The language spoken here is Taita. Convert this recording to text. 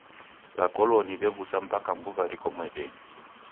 W'akoloni wew'usa mpaka mbuw'a riko medenyi.